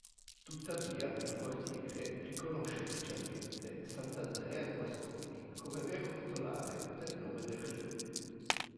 Tuttavia il Quartiere riconosce ufficialmente sant'Andrea Guasconi come vero titolare del nome del rione.